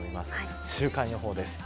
週間予報です。